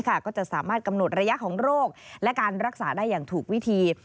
ก็จะสามารถกำหนดระยะของโรคและการรักษาได้อย่างถูกวิธี